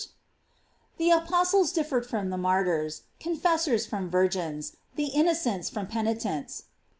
"* The Apostles differ from the martyrs, confessors from virgins, the innocents from penitents.